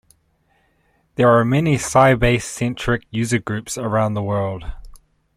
There are many Sybase-centric user groups around the world.